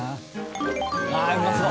ああうまそう！